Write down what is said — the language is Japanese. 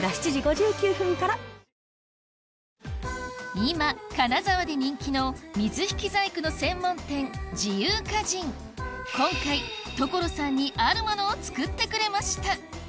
今金沢で人気の今回所さんにあるものを作ってくれました